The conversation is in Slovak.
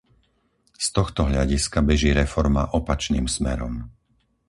Z tohto hľadiska beží reforma opačným smerom.